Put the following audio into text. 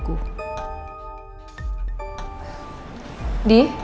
kalau tanti bisa menjadi menantuku